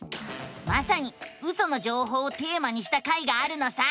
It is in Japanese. まさにウソの情報をテーマにした回があるのさ！